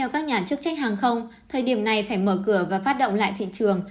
các nhà chức trách hàng không thời điểm này phải mở cửa và phát động lại thị trường